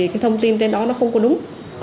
thì cái thông tin trên đó nó không có đúng